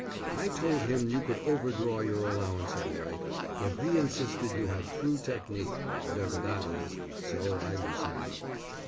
I told him you could overdraw your allowance all right, but he insisted you had true technique, whatever that is, so I loosened up.